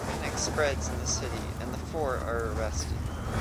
Panic spreads in the city, and the four are arrested.